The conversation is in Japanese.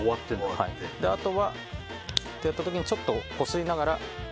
あとは指をパチンっとやった時にちょっとこすりながら。